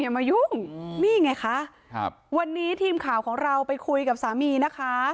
มายุ่งนี่ไงคะครับวันนี้ทีมข่าวของเราไปคุยกับสามีนะคะ